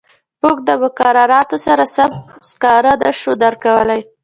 موږ د مقرراتو سره سم سکاره نه شو درکولای.